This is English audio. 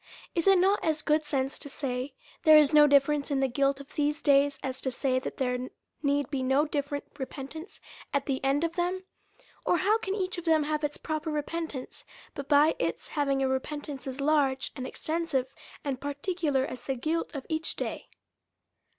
Is it not as good sense to say, there is no difference in the guilt of these days, as to say that there need be no different repentance at the end of them? Or how can each of them have its proper repentance, but by its having a repentance as large, and extensive, and particular, as the guilt of each day.